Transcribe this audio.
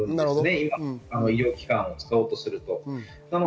今、医療機関を使おうとすると。